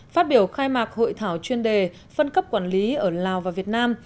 phát biểu khai mạc hội thảo chuyên đề phân cấp quản lý ở lào và việt nam